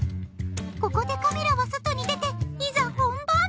ここでカメラは外に出ていざ本番。